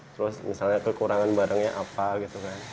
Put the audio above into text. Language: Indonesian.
terus misalnya kekurangan barangnya apa gitu kan